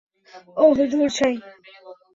অহ, ধুর ছাই!